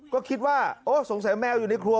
ก็คิดว่าโอ้สงสัยแมวอยู่ในครัว